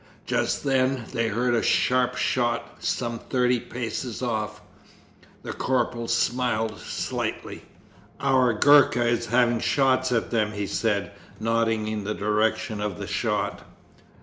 Just then they heard a sharp shot some thirty paces off. The corporal smiled slightly. 'Our Gurka is having shots at them,' he said, nodding in the direction of the shot.